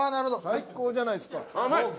最高じゃないですか。